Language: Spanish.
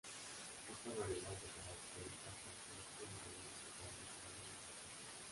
Esta variedad se caracteriza por ser una alubia totalmente negra y uniforme.